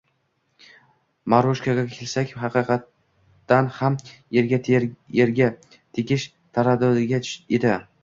Marushaga kelsak, haqiqatan ham, erga tegish tadorigida edi.